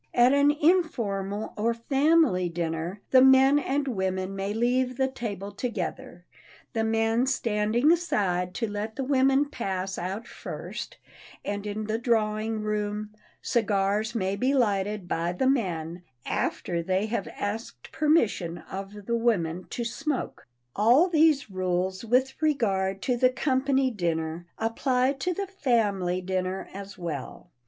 At an informal or family dinner, the men and women may leave the table together, the men standing aside to let the women pass out first, and in the drawing room cigars may be lighted by the men after they have asked permission of the women to smoke. All these rules with regard to the company dinner apply to the family dinner as well.